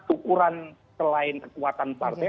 ukuran selain kekuatan partai